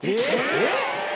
えっ！？